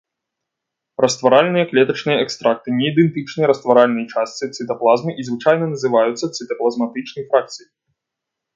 Растваральныя клетачныя экстракты не ідэнтычныя растваральнай частцы цытаплазмы і звычайна называюцца цытаплазматычнай фракцыяй.